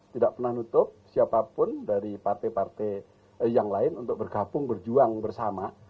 tidak pernah nutup siapapun dari partai partai yang lain untuk bergabung berjuang bersama